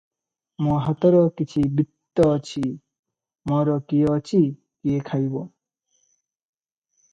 ମୋ ହାତର କିଛି ବିତ୍ତ ଅଛି- ମୋର କିଏ ଅଛି, କିଏ ଖାଇବ?